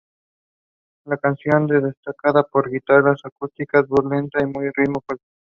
La canción es destacada por guitarras acústicas, voz lenta, y un ritmo fuerte.